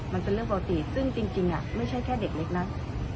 มันเป็นเรื่องปกติซึ่งจริงไม่ใช่แค่เด็กเล็กนะ